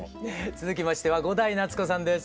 続きましては伍代夏子さんです。